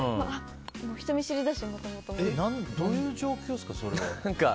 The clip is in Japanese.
人見知りだし、もともと。どういう状況ですか、それは。